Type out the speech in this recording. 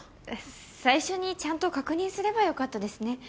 最初にちゃんと確認すればよかったですね。